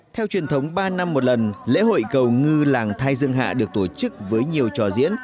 theo truyền thống ba năm một lần lễ hội cầu ngư làng thái dương hạ được tổ chức với nhiều trò diễn